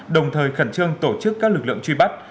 đồng thời khẩn trương tổ chức các lực lượng truy bắt